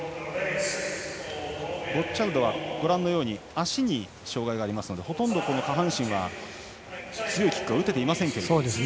ボッチャルドはご覧のように足に障がいがありますのでほとんど下半身は強いキックが打てていません。